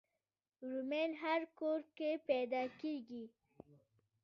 رومیان هر کور کې پیدا کېږي